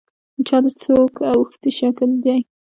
چا د څوک اوښتي شکل دی.